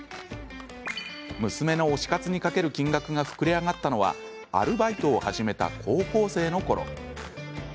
娘の推し活にかける金額が膨れ上がったのはアルバイトを始めた高校生のころ。